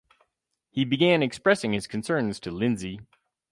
He began expressing his concerns to Lindsay.